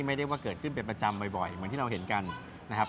ไม่ได้ว่าเกิดขึ้นเป็นประจำบ่อยเหมือนที่เราเห็นกันนะครับ